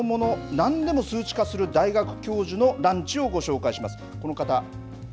何でも数値化する大学教授のランチをご紹介します。